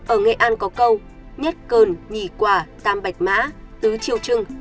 ở nghệ an có câu nhất cơn nhì quả tàm bạch mã tứ triều trung